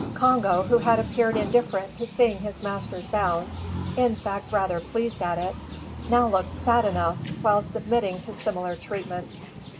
Congo, who had appeared indifferent to seeing his masters bound, in fact rather pleased at it, now looked sad enough while submitting to similar treatment.